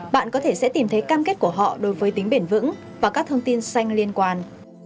bạn có thể sẽ tìm thấy cam kết của họ đối với tính bền vững và các thông tin xanh liên quan